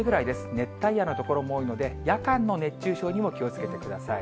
熱帯夜の所も多いので、夜間の熱中症にも気をつけてください。